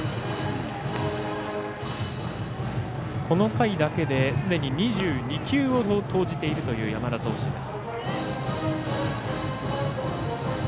この回だけですでに２２球を投じているという山田投手。